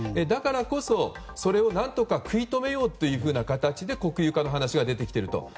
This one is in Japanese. だからこそ、それを何とか食い止めようという形で話が出てきていると。